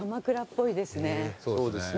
そうですね。